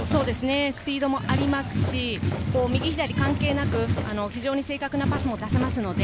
スピードもありますし、右、左に関係なく正確なパスが出せます。